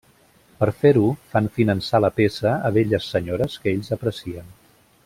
Per fer-ho, fan finançar la peça a velles senyores que ells aprecien.